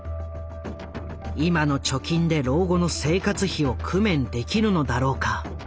「今の貯金で老後の生活費を工面できるのだろうか」。